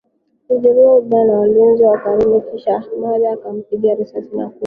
Alijeruhiwa vibaya na walinzi wa Karume kisha Ahmada akampiga risasi na kumuua